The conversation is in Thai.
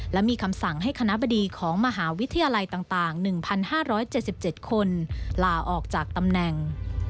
และมีคำสั่งให้คณะบดีของมหาวิทยาลัยต่าง๑๕๗๗คนลาออกจากตำแหน่ง